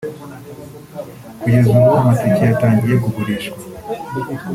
Kugeza ubu amatike yatangiye kugurishwa